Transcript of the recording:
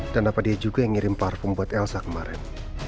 dan apa dia juga yang ngirim parfum buat elsa kemarin